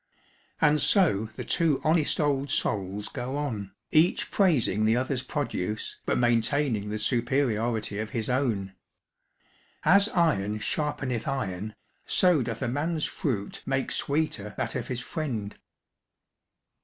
And so the two honest old souls go on, each praising the other's produce, but maintaining the superiority of 136 The Gentleman $ Magazine. his own. As iron sharpeneth iron, so doth a man's fruit make sweeter that of his friend.